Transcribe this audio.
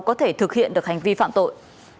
có thể thực hiện được hành vi phạm tội